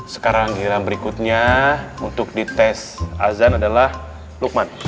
sekarang giliran berikutnya untuk dites azan adalah lukman